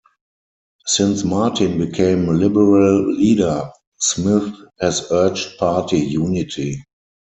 Since Martin became Liberal leader, Smith has urged party unity.